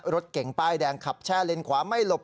รถเก่งป้ายแดงขับแช่เลนขวาไม่หลบ